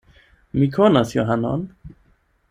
Mi konas Johanon.